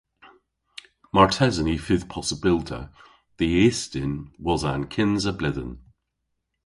Martesen y fydh possybylta dh'y ystyn wosa an kynsa bledhen.